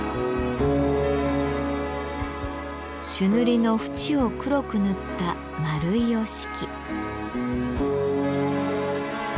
朱塗りの縁を黒く塗った円い折敷。